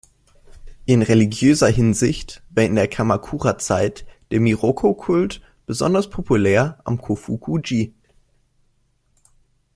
In religiöser Hinsicht war in der Kamakura-Zeit der Miroku-Kult besonders populär am Kōfuku-ji.